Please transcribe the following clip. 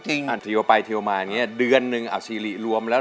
ทีวละไปทีวละมาเดือนหนึ่งอาชนีรี่รวมแล้ว